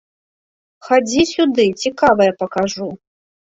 Хадзі сюды, цікавае пакажу.